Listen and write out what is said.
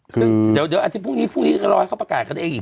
ซึ่งเดี๋ยวอาทิตย์พรุ่งนี้พรุ่งนี้ก็รอให้เขาประกาศกันเองอีก